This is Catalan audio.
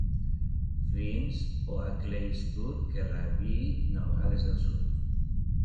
Flynn's Oakleigh Stud, Kerrabee, Nova Gal·les del Sud.